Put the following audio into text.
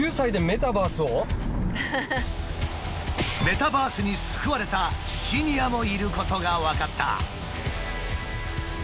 メタバースに救われたシニアもいることが分かった。